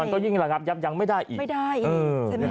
ก็ยิ่งระงับยับยั้งไม่ได้อีกไม่ได้อีกใช่ไหม